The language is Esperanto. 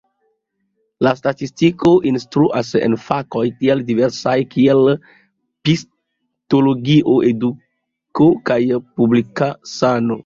La statistiko instruas en fakoj tiel diversaj kiel psikologio, eduko kaj publika sano.